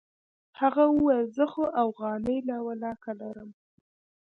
هغه وويل زه خو اوغانۍ لا ولله که لرم.